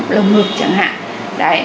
lồng ngực chẳng hạn